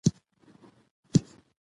هغه زما يوازينی مینه وه.